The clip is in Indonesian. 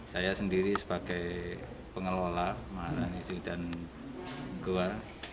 saya sendiri sebagai pengelola maharani zulamongan dan gowa